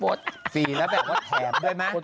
โฆษ์ฟรีแล้วแบบว่าแถมด้วยมั้ย